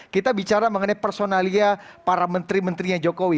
kita bicara mengenai personalia para menteri menterinya jokowi